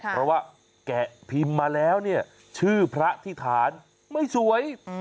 เพราะว่าแกะพิมพ์มาแล้วเนี่ยชื่อพระอธิษฐานไม่สวย